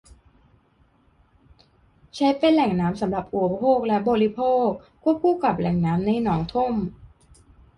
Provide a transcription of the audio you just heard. ใช้เป็นแหล่งน้ำสำหรับอุปโภคและบริโภคควบคู่กับแหล่งน้ำในหนองท่ม